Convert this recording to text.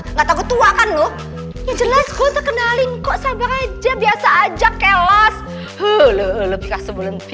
nggak tahu gua tua kan lu ya jelas gua ntar kenalin kok sabar aja biasa aja kelas